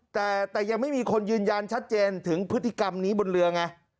แต่ยังไม่มีคนยืนยันชัดเจนถึงพฤติกรรมนี้บนเรือไง